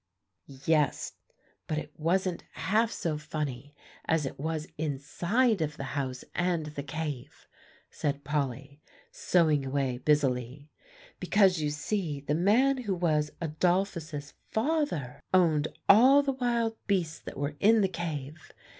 "Yes; but it wasn't half so funny, as it was inside of the house and the cave," said Polly, sewing away busily; "because you see the man who was Adolphus's father owned all the wild beasts that were in the cave.